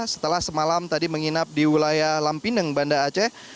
setelah semalam tadi menginap di wilayah lampineng banda aceh